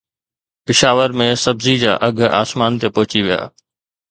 پشاور ۾ سبزي جا اگهه آسمان تي پهچي ويا